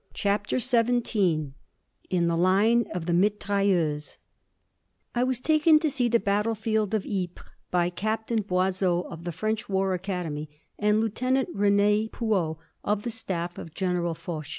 CHAPTER XVII IN THE LINE OF THE "MITRAILLEUSE" I was taken to see the battlefield of Ypres by Captain Boisseau, of the French War Academy, and Lieutenant René Puaux, of the staff of General Foch.